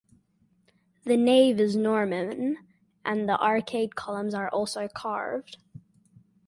The nave is Norman and the arcade columns are also carved.